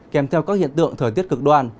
kèm theo các hiện tượng thời tiết cực đoan